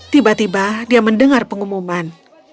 tiba tiba dia mendengar pengumuman